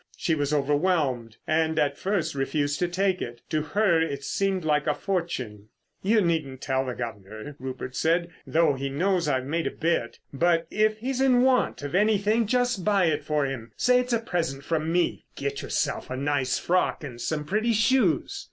She was overwhelmed, and at first refused to take it. To her it seemed like a fortune. "You needn't tell the guv'nor," Rupert said, "though he knows I've made a bit. But if he's in want of anything just buy it for him—say it's a present from me. Get yourself a nice frock and some pretty shoes."